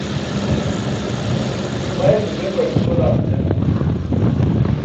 baymo bepaẏ but halaal oćaan